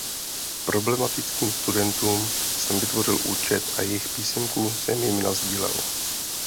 Problematickým studentům jsem vytvořil účet a jejich písemku jsem jim nasdílel.